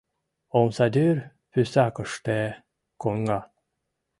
Омсадӱр пусакыште коҥга.